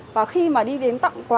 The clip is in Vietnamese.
và khi mà đi đến tặng quà